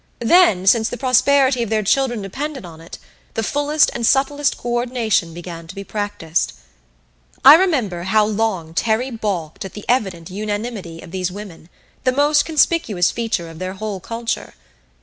Then, since the prosperity of their children depended on it, the fullest and subtlest coordination began to be practiced. I remember how long Terry balked at the evident unanimity of these women the most conspicuous feature of their whole culture.